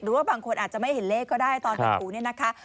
หรือว่าบางคนอาจจะไม่เห็นเลขก็ได้ตอนถูนี้นะคะ